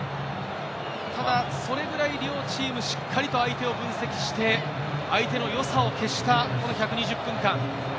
ただ、それくらい両チーム、しっかりと相手を分析して、相手の良さを消した１２０分間。